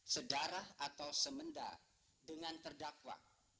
sedarah atau semenda dengan terdakwa